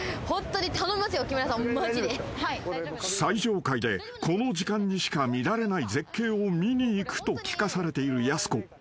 ［最上階でこの時間にしか見られない絶景を見に行くと聞かされているやす子］